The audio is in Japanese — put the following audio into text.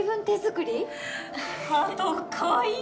ハートかわいい